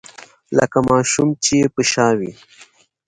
لکه ماشوم چې يې په شا وي.